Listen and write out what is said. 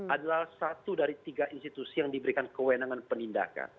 adalah satu dari tiga institusi yang diberikan kewenangan penindakan